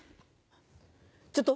ちょっと？